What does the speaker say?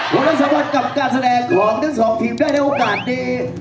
และสามารถกับการแสดงของทั้งสองทีมได้ในโอกาสดี